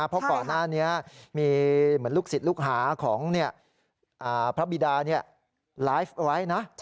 เพราะก่อนหน้านี้มีเหมือนลูกศิษย์ลูกหาของพระบิดาไลฟ์ไว้นะ